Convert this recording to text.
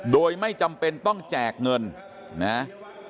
โดยไม่จำเป็นต้องแจกเงินนะ